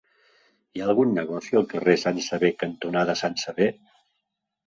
Hi ha algun negoci al carrer Sant Sever cantonada Sant Sever?